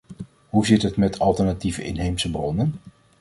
Hoe zit het met alternatieve inheemse bronnen?